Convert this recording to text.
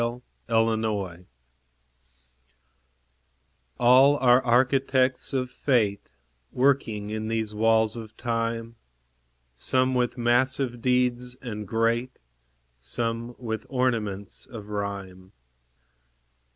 THE BUILDERS All are architects of Fate, Working in these walls of Time; Some with massive deeds and great, Some with ornaments of rhyme.